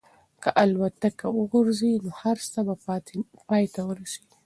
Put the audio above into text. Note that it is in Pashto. که الوتکه وغورځي نو هر څه به پای ته ورسېږي.